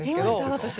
私。